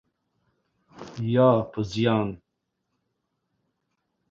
یا په زیان؟